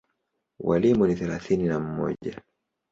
Walimu ni thelathini na mmoja.